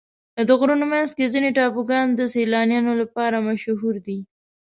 د غرونو منځ کې ځینې ټاپوګان د سیلانیانو لپاره مشهوره دي.